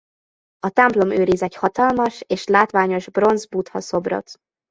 A templom őriz egy hatalmas és látványos bronz Buddha szobrot.